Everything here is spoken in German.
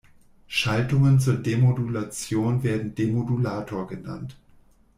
Schaltungen zur Demodulation werden Demodulator genannt.